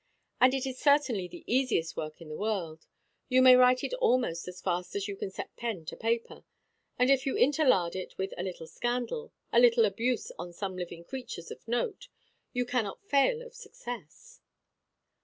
And it is certainly the easiest work in the world; you may write it almost as fast as you can set pen to paper; and if you interlard it with a little scandal, a little abuse on some living characters of note, you cannot fail of success."